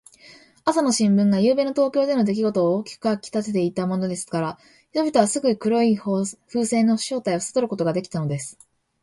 朝の新聞が、ゆうべの東京でのできごとを大きく書きたてていたものですから、人々はすぐ黒い風船の正体をさとることができたのです。